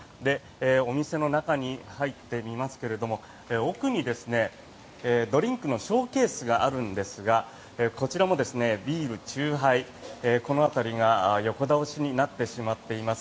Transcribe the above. お店の中に入ってみますけれども奥にドリンクのショーケースがあるんですがこちらもビール、酎ハイこの辺りが横倒しになってしまっています。